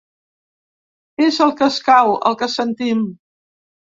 És el que escau, el que sentim.